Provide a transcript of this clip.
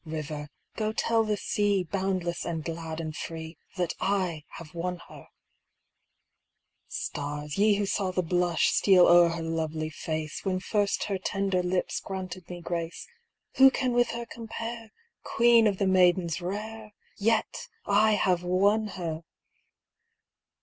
River, go tell the sea, Boundless and glad and free, That I have won her ! Stars, ye who saw the blush Steal o'er her lovely face, When first her tender lips 426 WON Granted me grace, Who can with her compare, Queen of the maidens rare ? Yet — I have won her